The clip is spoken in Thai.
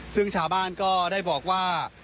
ซึ่งชาวบ้านก็ได้บอกว่า